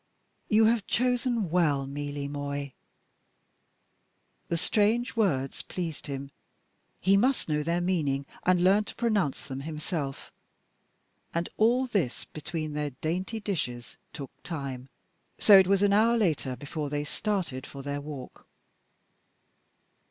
"You have chosen well. Mylyi moi." The strange words pleased him; he must know their meaning, and learn to pronounce them himself. And all this between their dainty dishes took time, so it was an hour later before they started for their walk.